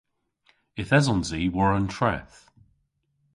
Yth esons i war an treth.